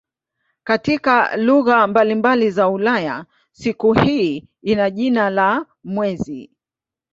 Katika lugha mbalimbali za Ulaya siku hii ina jina la "mwezi".